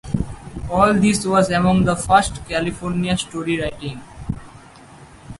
All this was among the first California story writing.